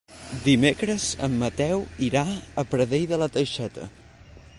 Dimecres en Mateu irà a Pradell de la Teixeta.